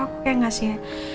aku kayak ngasih